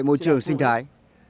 môi trường sinh thái